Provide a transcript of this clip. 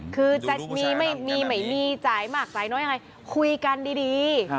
คือจะมีไม่มีจ่ายมากจ่ายน้อยยังไงคุยกันดี